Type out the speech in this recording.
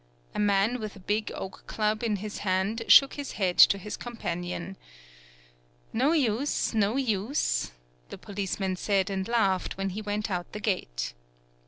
A man with big oak club in his hand, shook his head to his companion. "No use, no use," the policeman said and laughed when he went out the gate.